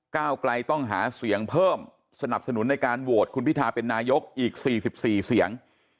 ก้าวไกลต้องหาเสียงเพิ่มสนับสนุนในการโหวตคุณพิทาเป็นนายกอีก๔๔เสียง